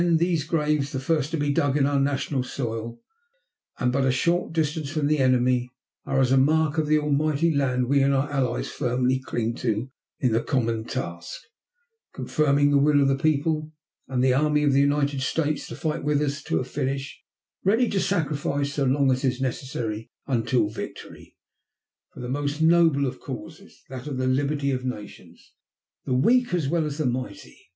These graves, the first to be dug in our national soil and but a short distance from the enemy, are as a mark of the mighty land we and our allies firmly cling to in the common task, confirming the will of the people and the army of the United States to fight with us to a finish, ready to sacrifice so long as is necessary until victory for the most noble of causes, that of the liberty of nations, the weak as well as the mighty.